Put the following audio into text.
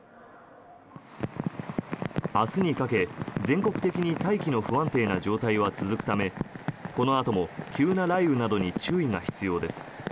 明日にかけ、全国的に大気の不安定な状態は続くためこのあとも急な雷雨などに注意が必要です。